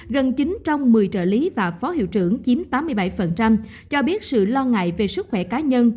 gần chín trăm một mươi trợ lý và phó hiệu trưởng chiếm tám mươi bảy cho biết sự lo ngại về sức khỏe cá nhân